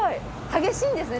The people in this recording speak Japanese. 激しいんですね